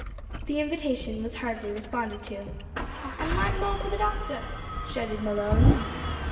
The invitation was heartily responded to. "An' wan more for the doctor!" shouted Malone.